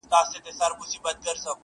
چي له ډېري خاموشۍ یې غوغا خېژې,